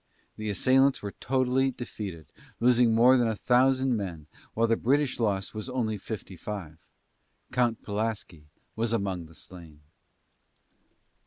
The assailants were totally defeated, losing more than a thousand men, while the British loss was only fifty five. Count Pulaski was among the slain.